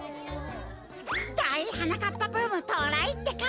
だいはなかっぱブームとうらいってか！